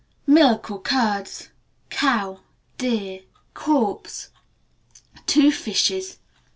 Milk or curds. Cow. Deer. Corpse. Two fishes.